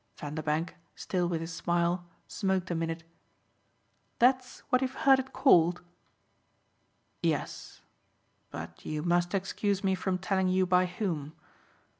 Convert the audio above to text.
Vanderbank, still with his smile, smoked a minute. "That's what you've heard it called?" "Yes, but you must excuse me from telling you by whom."